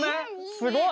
すごい！